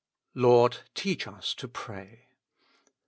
"Lord, teach us to pray."